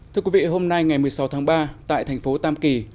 thưa quý vị hôm nay ngày một mươi sáu tháng ba tại thành phố tam kỳ